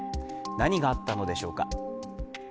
何があったのでしょうか。